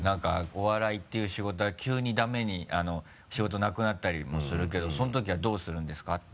お笑いっていう仕事は急にダメに仕事なくなったりもするけどその時はどうするんですかって。